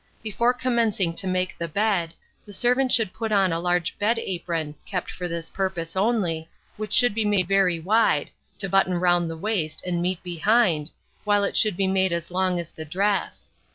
Before commencing to make the bed, the servant should put on a large bed apron, kept for this purpose only, which should be made very wide, to button round the waist and meet behind, while it should be made as long as the dress.